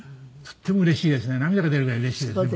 涙が出るぐらいうれしいですね